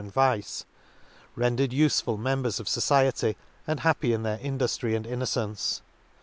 61 and vice, rendered ufeful members of fo ciety, and happy in their induftry and innocence.